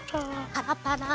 パラパラ。